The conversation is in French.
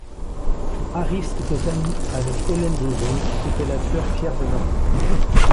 Harris était ami avec Elaine de Jong, qui était la sœur Pierre Wennerbom.